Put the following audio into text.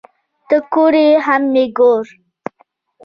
ته کور یې هم مې گور